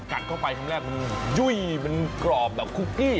กัดเข้าไปครั้งแรกมันยุ่ยมันกรอบแบบคุกกี้